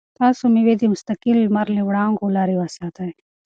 تاسو مېوې د مستقیم لمر له وړانګو لرې وساتئ.